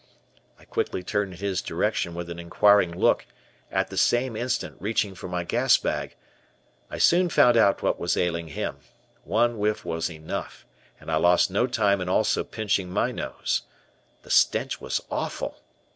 I quickly turned in his direction with an inquiring look, at the same instant reaching for my gas bag. I soon found out what was ailing him. One whiff was enough and I lost no time in also pinching my nose. The stench was awful.